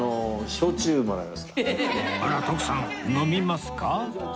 あら徳さん飲みますか？